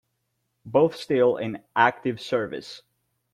Both still in active service.